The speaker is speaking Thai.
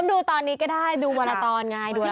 เริ่มดูตอนนี้ก็ได้ดูวัลตอนไงดูวัลตอน